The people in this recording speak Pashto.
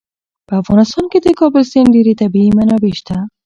په افغانستان کې د کابل سیند ډېرې طبعي منابع شته.